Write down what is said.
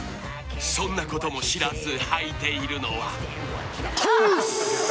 そんなことも知らずはいているのはトゥース！